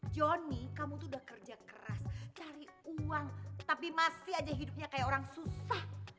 johnny kamu tuh udah kerja keras cari uang tapi masih aja hidupnya kayak orang susah